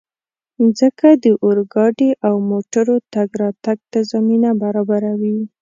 مځکه د اورګاډي او موټرو تګ راتګ ته زمینه برابروي.